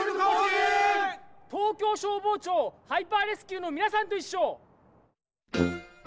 東京消防庁ハイパーレスキューのみなさんといっしょ。